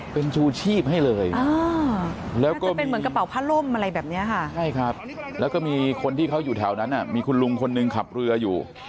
เป็นชูชีพให้เลย